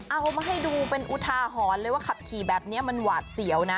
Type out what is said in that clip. เอามาให้ดูเป็นอุทาหรณ์เลยว่าขับขี่แบบนี้มันหวาดเสียวนะ